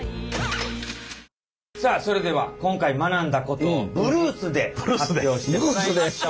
さあそれでは今回学んだことをブルースで発表してもらいましょう。